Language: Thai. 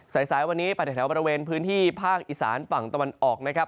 สายวันนี้ไปแถวบริเวณพื้นที่ภาคอีสานฝั่งตะวันออกนะครับ